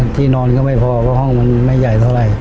ที่นอนก็ไม่พอเพราะห้องมันไม่ใหญ่เท่าไหร่